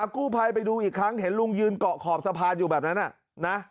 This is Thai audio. กู้ภัยไปดูอีกครั้งเห็นลุงยืนเกาะขอบสะพานอยู่แบบนั้นนะ